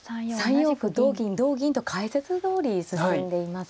３四歩同銀同銀と解説どおり進んでいます。